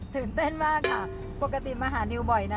ตื่นเต้นมากค่ะปกติมาหานิวบ่อยนะ